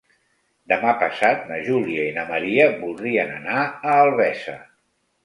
Demà passat na Júlia i na Maria voldrien anar a Albesa.